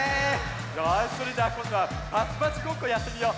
よしそれじゃあこんどはパチパチごっこやってみよう。